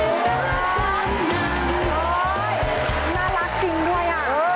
น่ารักจริงด้วย